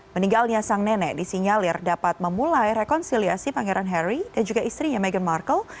meninggalnya sang nenek disinyalir dapat memulai rekonsiliasi pangeran harry dan juga istrinya meghan markle